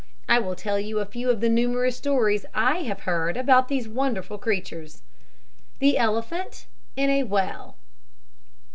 I will tell you a few of the numerous stories I have heard about these wonderful creatures. THE ELEPHANT IN A WELL.